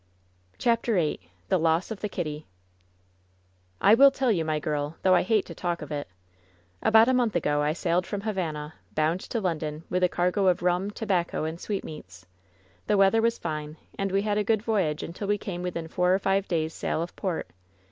CHAPTER Vni THH I OSS OF THE "kITTY "I WILL tell you, my girl, though I hate to talk of it. About a month ago I sailed from Havana, bound to Lon don, with a cargo of nmi, tobacco and sweetmeats. The weather was fine, and we had a good voyage until we came within four or five days' sail of port.